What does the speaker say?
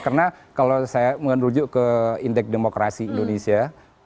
karena kalau saya menuju ke indeks demokrasi indonesia